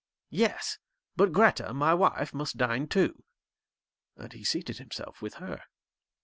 'Yes; but Grethe, my wife, must dine too'; and he seated himself with her.